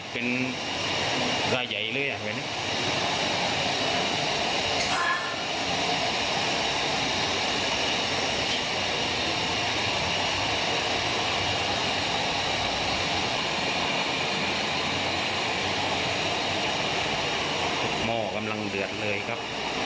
หม้อกำลังเดือดเลยครับ